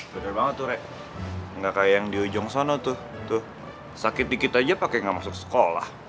bener banget tuh rek nggak kayak yang di ujung sana tuh tuh sakit dikit aja pakai nggak masuk sekolah